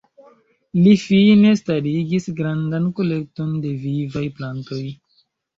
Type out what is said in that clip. Li fine starigis grandan kolekton de vivaj plantoj.